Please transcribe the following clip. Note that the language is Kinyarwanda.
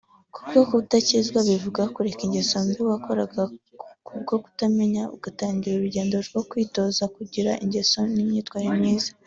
Kuko gukizwa bivuga kureka ingeso mbi wakoraga kubwo kutamenya ugatangira urugendo rwo kwitoza kugira ingeso n’imyitware byiza